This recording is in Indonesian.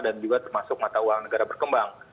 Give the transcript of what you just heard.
dan juga termasuk mata uang negara berkembang